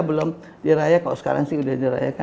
belum diraya kalau sekarang sih udah dirayakan